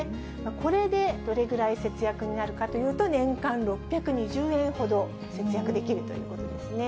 これでどれぐらい節約になるかというと、年間６２０円ほど節約できるということですね。